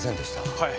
はい。